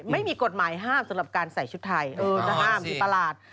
ไม่มีกฎหมายห้ามสำหรับการใส่ชุดไทยจะห้ามคือประหลาด